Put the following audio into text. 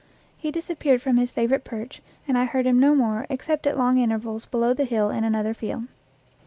He disappeared from his favorite perch, and I heard him no more except at long intervals below the hill in another field.